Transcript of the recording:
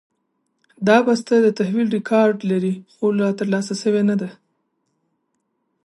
دا بسته د تحویل ریکارډ لري، خو لا ترلاسه شوې نه ده.